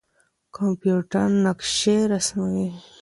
کمپيوټر نقشې رسموي.